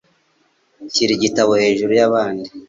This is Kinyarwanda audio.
Shyira igitabo hejuru yabandi.